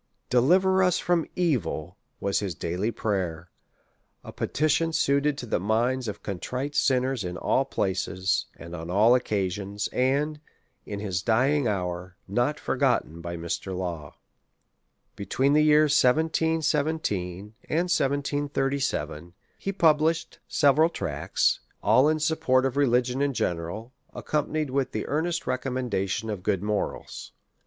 Deliver us from evil, was his daily prayer; a petition suited to the minds of contrite sinners in all places, and on all occasions; and, in his dying hour, not forgotten by Mr. Law. Between the years 1717 and 1737, he published several tracts, all in support of religion in general, accompanied with the earnest recommendation of good morals.